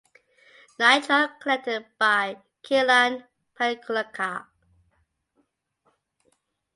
Nitra connected by Kilian Pagliuca.